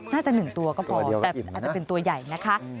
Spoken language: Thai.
น่าจะ๑ตัวก็พอแต่อาจจะเป็นตัวใหญ่นะคะ